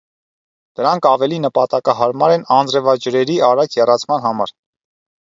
Դրանք ավելի նպատակահարմար են անձրևաջրերի արագ հեռացման համար։